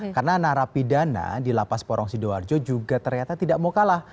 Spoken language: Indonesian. karena narapidana di lapas porong sidoarjo juga ternyata tidak mau kalah